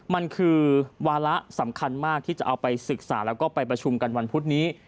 มันคือวาระสำคัญมากที่จะเอาไปศึกษาแล้วก็ไปประชุมกันวันพุธนี้